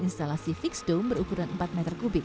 instalasi fixed dome berukuran empat m tiga